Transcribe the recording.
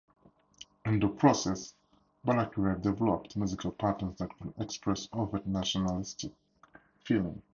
In the process, Balakirev developed musical patterns that could express overt nationalistic feeling.